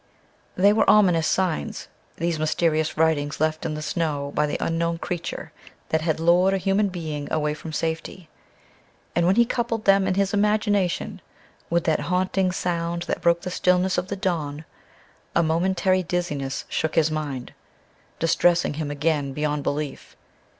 They were ominous signs these mysterious writings left in the snow by the unknown creature that had lured a human being away from safety and when he coupled them in his imagination with that haunting sound that broke the stillness of the dawn, a momentary dizziness shook his mind, distressing him again beyond belief.